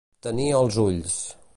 Tenir als ulls.